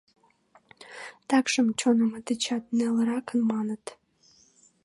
Такшым чоҥымо дечат нелырак, маныт.